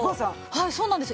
はいそうなんです。